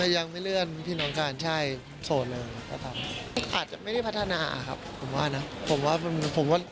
ยังไม่เลื่อนพี่น้องการใช่โสดอาจจะไม่ได้พัฒนาครับผมว่านะผมว่าผมว่าผมว่า